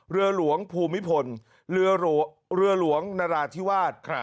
เรือหลวงภูมิพลเหลือหลวงเรือหลวงนราธิวาสครับ